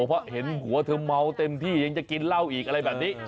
เพราะเห็นหัวเธอเมาเต็มที่ยังจะกินเหล้าอีกอะไรแบบนี้